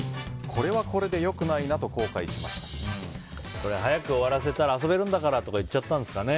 これはこれで良くないなと早く終わらせたら遊べるんだからと言っちゃったんですかね。